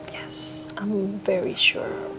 ya aku sangat yakin